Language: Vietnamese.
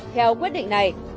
theo quyết định này